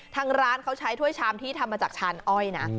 ทางร้านเขาใช้ถ้วยชามที่ทำมาจากชานอ้อยนะ